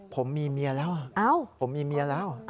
ผมมีเมียแล้วผมมีเมียแล้ว